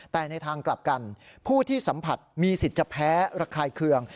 แต่ในทางกลับกันผู้ที่สัมผัสมีสิทธิ์จะแพ้ระคายเคือง